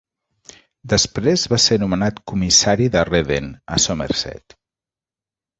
Després va ser nomenat comissari de Redden, a Somerset.